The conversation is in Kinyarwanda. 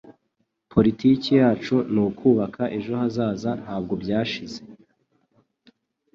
Politiki yacu nukubaka ejo hazaza ntabwo byashize